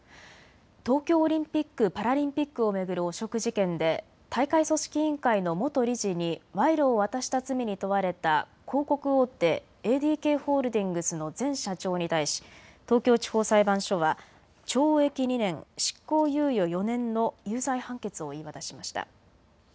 東京オリンピック・パラリンピックを巡る汚職事件で大会組織委員会の元理事に賄賂を渡した罪に問われた広告大手、ＡＤＫホールディングスの前社長に対し東京地方裁判所は懲役２年、執行猶予４年の有罪判決を言い渡しました。